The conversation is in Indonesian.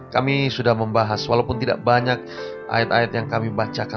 kami sudah membahas walaupun tidak banyak ayat ayat yang kami bacakan